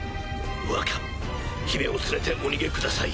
若姫を連れてお逃げください。